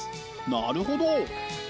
なるほど！